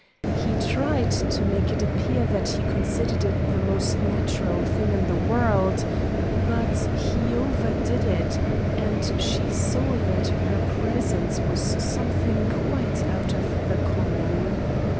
He tried to make it appear that he considered it the most natural thing in the world, but he overdid it, and she saw that her presence was something quite out of the common.